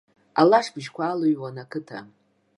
Алашбыжьқәа алыҩауан ақыҭа.